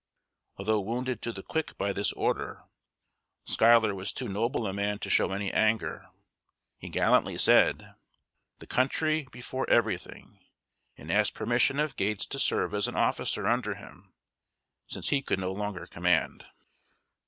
Although wounded to the quick by this order, Schuyler was too noble a man to show any anger. He gallantly said, "The country before everything," and asked permission of Gates to serve as an officer under him, since he could no longer command.